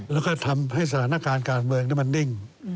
แล้วก็ทำให้สถานการณ์การเมืองมันนิ่ง